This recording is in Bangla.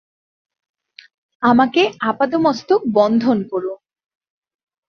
আমাকে আপাদমস্তক বন্ধন করুন।